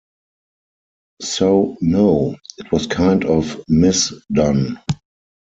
So, no, it was kind of mis-done.